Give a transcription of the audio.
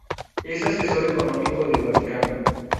Es asesor económico del Vaticano.